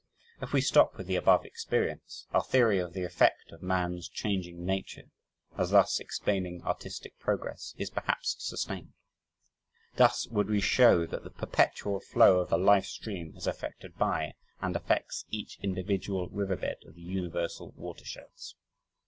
If we stop with the above experience, our theory of the effect of man's changing nature, as thus explaining artistic progress, is perhaps sustained. Thus would we show that the perpetual flow of the life stream is affected by and affects each individual riverbed of the universal watersheds.